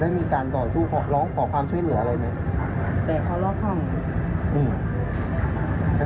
เราเคยร้องขอความช่วยเหลือกับใครอะไรอย่างนั้น